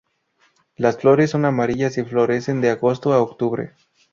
Las flores son amarillas y florecen de agosto a octubre.